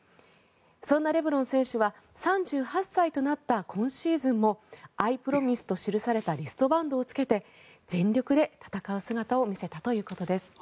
そんなレブロン選手は３８歳となった今シーズンもＩＰｒｏｍｉｓｅと記されたリストバンドをつけて全力で戦う姿を見せたということです。